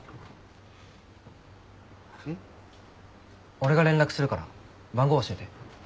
俺が連絡するから番号教えて。